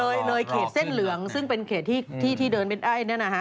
เออเลยเขตเส้นเหลืองซึ่งเป็นเขตที่เดินไปได้